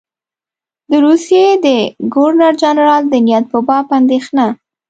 د روسیې د ګورنر جنرال د نیت په باب اندېښنه.